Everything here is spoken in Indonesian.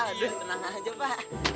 pak jangan galak galak pak